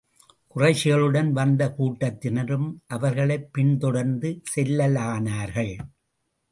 குறைஷிகளுடன் வந்த கூட்டத்தினரும் அவர்களைப் பின் தொடர்ந்து செல்லலானார்கள்.